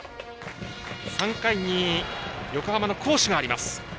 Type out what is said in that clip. ３回に横浜の好守があります。